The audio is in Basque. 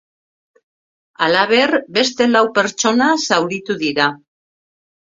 Halaber, beste lau pertsona zauritu dira.